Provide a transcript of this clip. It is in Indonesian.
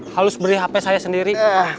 harus beri hp saya sendiri